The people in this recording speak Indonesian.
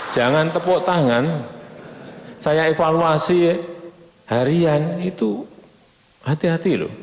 jangan tepuk tangan saya evaluasi harian itu hati hati loh